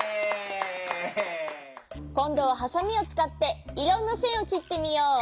こんどはハサミをつかっていろんなせんをきってみよう。